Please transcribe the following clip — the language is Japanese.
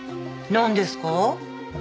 なんですか？